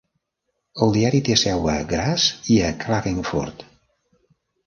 El diari té seu a Graz i a Klagenfurt.